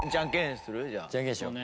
じゃんけんしよう。